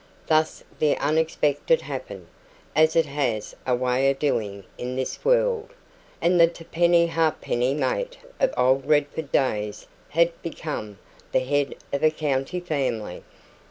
Thus the unexpected happened, as it has a way of doing in this world, and the t'penny ha'penny mate of old Redford days had become the head of a county family.